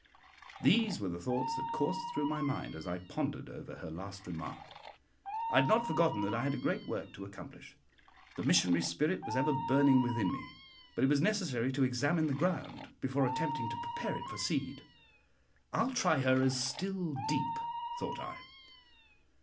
These were the thoughts that coursed through my mind as I pondered over her last remark. I had not forgotten that I had a great work to accomplish. The missionary spirit was ever burning within me, but it was necessary to examine the ground before attempting to prepare it for seed. I'll try her as "still deep," thought I.